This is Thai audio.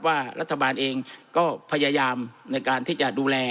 ว่ารัฐบาลเองก็พยายามในการที่จะดูแล